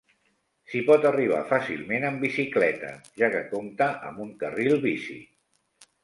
S'hi pot arribar fàcilment en bicicleta, ja que compta amb un carril bici.